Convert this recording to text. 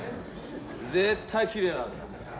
絶対きれいなんだよ。